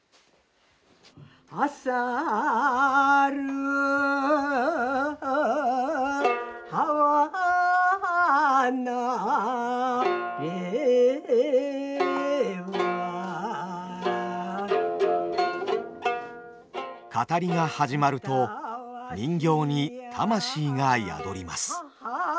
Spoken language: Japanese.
あさるあはなれば語りが始まると人形に魂が宿ります。